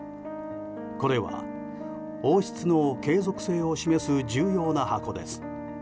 これは、王室の継続性を示す重要な箱です。